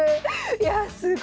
いやすごい。